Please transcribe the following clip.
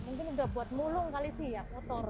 mungkin udah buat mulung kali sih ya kotor